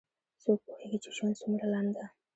څوک پوهیږي چې ژوند څومره لنډ ده